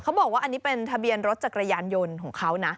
บอกว่าอันนี้เป็นทะเบียนรถจักรยานยนต์ของเขานะ